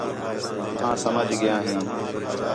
آں سمجھ ڳیا ہیں